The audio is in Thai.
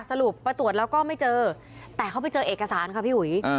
สรุปไปตรวจแล้วก็ไม่เจอแต่เขาไปเจอเอกสารค่ะพี่อุ๋ย